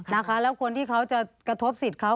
แล้วคนที่เขาจะกระทบสิทธิ์เขา